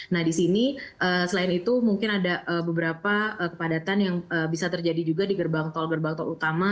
nah di sini selain itu mungkin ada beberapa kepadatan yang bisa terjadi juga di gerbang tol gerbang tol utama